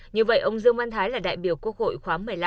như vậy ông dương văn thái là đại biểu quốc hội khóa một mươi năm